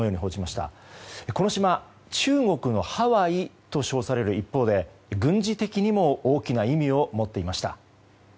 中国のハワイと称される一方で軍事的にも大きな意味を持っていました。